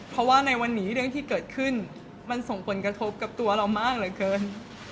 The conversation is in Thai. เพราะว่าในวันนี้เรื่องที่เกิดขึ้นมันส่งผลกระทบกับตัวเรามากเหลือเกิน